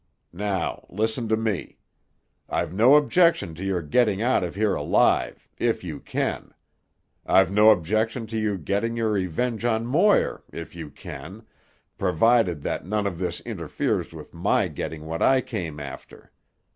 Now listen to me. I've no objection to your getting out of here alive—if you can. I've no objection to your getting your revenge on Moir, if you can, provided that none of this interferes with my getting what I came after.